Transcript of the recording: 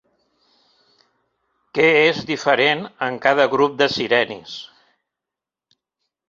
Què és diferent en cada grup de sirenis?